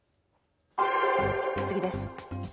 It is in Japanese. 次です。